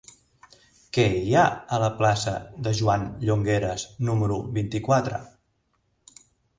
Què hi ha a la plaça de Joan Llongueras número vint-i-quatre?